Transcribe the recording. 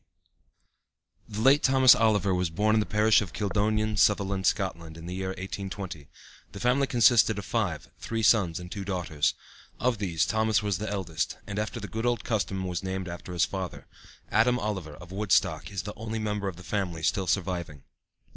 P. The late Thomas Oliver was born in the parish of Kildonan, Sutherland, Scotland, in the year 1820. The family consisted of five, three sons and two daughters. Of these Thomas was the eldest, and after the good old custom was named after his father. Adam Oliver, of Woodstock, is the only member of the family still surviving.